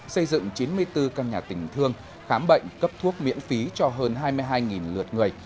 xây dựng chín mươi bốn căn nhà tình thương khám bệnh cấp thuốc miễn phí cho hơn hai mươi hai lượt người